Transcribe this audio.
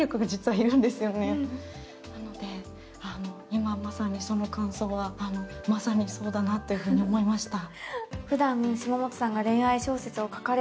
今まさにその感想は、まさにそうだなと思いました。